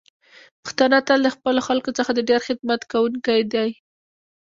پښتانه تل د خپلو خلکو څخه د ډیر خدمت کوونکی دی.